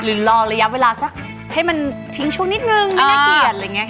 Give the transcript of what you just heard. รอระยะเวลาสักให้มันทิ้งช่วงนิดนึงไม่น่าเกลียดอะไรอย่างนี้